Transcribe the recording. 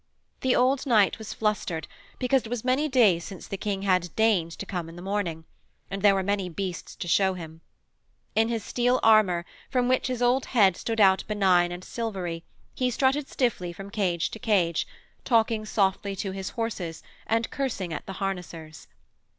The old knight was flustered because it was many days since the King had deigned to come in the morning, and there were many beasts to show him. In his steel armour, from which his old head stood out benign and silvery, he strutted stiffly from cage to cage, talking softly to his horses and cursing at the harnessers.